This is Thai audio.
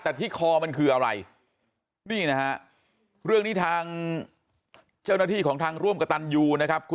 แต่ที่คอมันคืออะไรนี่นะฮะเรื่องนี้ทางเจ้าหน้าที่ของทางร่วมกับตันยูนะครับ